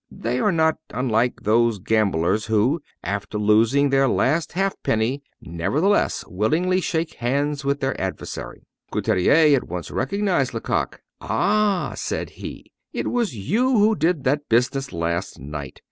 They are not unlike those gamblers who, after losing their last halfpenny, nevertheless willingly shake hands with their adversary. Couturier at once recognized Lecoq. "Ah!" said he, "It was you who did that business last night.